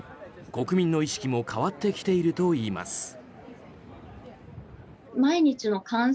国民の意識も変わってきているといいます。